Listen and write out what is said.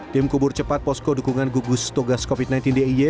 tim kubur cepat posko dukungan gugus togas covid sembilan belas dia